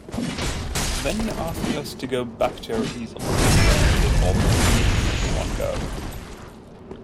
Then, he asked us to go back to our easels and replicate all the techniques in one go.